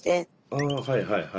ああはいはいはい。